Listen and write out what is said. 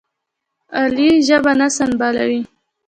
علي ژبه نه سنبالوي.